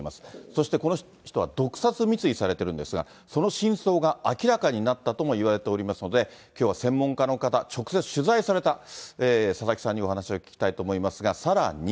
そして、この人は毒殺未遂されてるんですが、その真相が明らかになったともいわれておりますので、きょうは専門家の方、直接取材された佐々木さんにお話を聞きたいと思いますが、さらに。